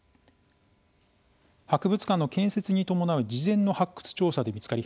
博物館の建設に伴う事前の発掘調査で見つかり